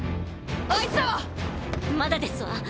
あいつらは⁉まだですわ。